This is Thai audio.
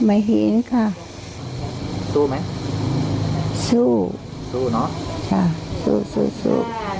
ไม่เห็นค่ะสู้ไหมสู้สู้เนอะค่ะสู้สู้